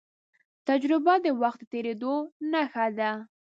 تجربه د وخت د تېرېدو نښه ده.